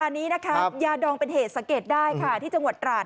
อันนี้นะคะยาดองเป็นเหตุสังเกตได้ค่ะที่จังหวัดตราด